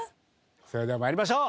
それでは参りましょう。